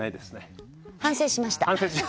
反省しました。